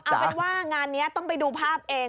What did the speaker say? เอาเป็นว่างานนี้ต้องไปดูภาพเอง